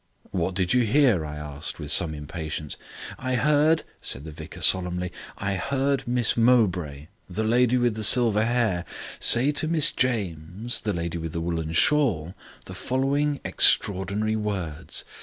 "What did you hear?" I asked, with some impatience. "I heard," said the vicar solemnly, "I heard Miss Mowbray (the lady with the silver hair) say to Miss James (the lady with the woollen shawl), the following extraordinary words.